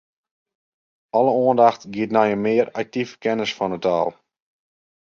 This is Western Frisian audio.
Alle oandacht giet nei in mear aktive kennis fan 'e taal.